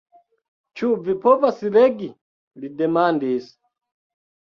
Ĉu vi povas legi? li demandis.